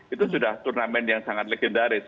itu sudah turnamen yang sangat legendaris